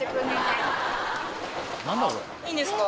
いいんですか？